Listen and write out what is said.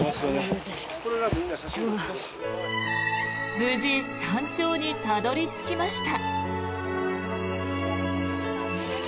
無事、山頂にたどり着きました。